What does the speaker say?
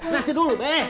nanti dulu be